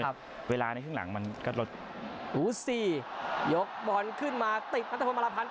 ครับเวลาในขึ้นหลังมันก็ลดอู๋สี่ยกบอลขึ้นมาติดมันจะพอมาราพันธ์